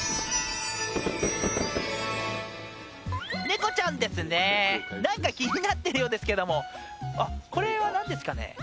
ネコちゃんですね何か気になってるようですけどもあっこれは何ですかね？